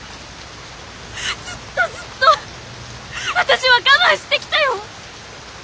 ずっとずっと私は我慢してきたよ！